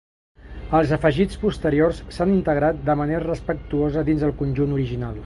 Els afegits posteriors s'han integrat de manera respectuosa dins el conjunt original.